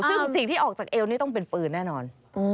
ซึ่งสิ่งที่ออกจากเอวนี่ต้องเป็นปืนแน่นอน